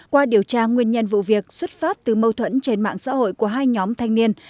qua điều tra nguyên nhân vụ việc xuất phát từ mâu thuẫn trên mạng xã hội của hai nhóm thanh niên